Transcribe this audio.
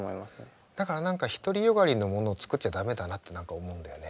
だから何か独り善がりのものを作っちゃ駄目だなって何か思うんだよね。